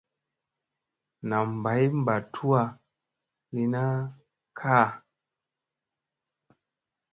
Nam bay mba tuwa li na kaaʼa.